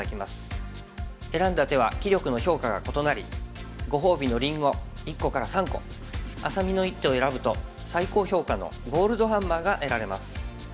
選んだ手は棋力の評価が異なりご褒美のりんご１個から３個愛咲美の一手を選ぶと最高評価のゴールドハンマーが得られます。